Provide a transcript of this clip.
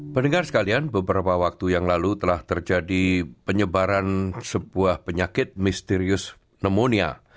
pendengar sekalian beberapa waktu yang lalu telah terjadi penyebaran sebuah penyakit misterius pneumonia